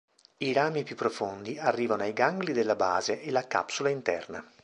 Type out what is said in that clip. I rami più profondi arrivano ai gangli della base e la capsula interna.